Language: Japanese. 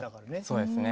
そうですね。